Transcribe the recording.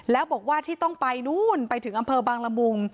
แล้วบอกว่าที่ต้องไปนู่นไปถึงอำเภอบางละมุง